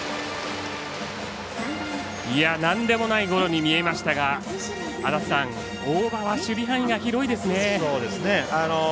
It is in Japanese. なんでもないゴロに見えましたが大場は守備範囲が広いですね。